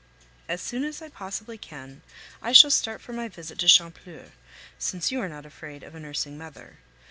As soon as I possibly can, I shall start for my visit to Chantepleurs, since you are not afraid of a nursing mother.